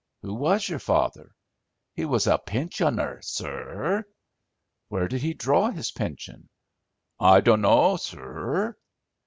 "Who was your father?" "He was a pinshoner, sur." "Where did he draw his pension?" "I donno, sur."